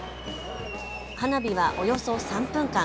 花火はおよそ３分間。